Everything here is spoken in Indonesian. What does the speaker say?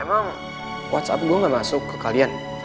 emang whatsapp gue gak masuk ke kalian